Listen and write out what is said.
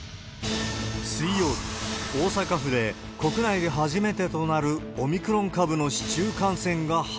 水曜日、大阪府で、国内で初めてとなるオミクロン株の市中感